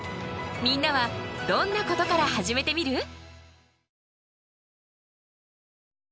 みんなはどんなことから始めてみる？